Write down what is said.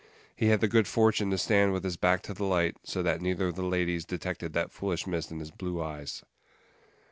He had the good fortune to stand with his back to the light, so that neither of the ladies detected that foolish mist in his blue eyes.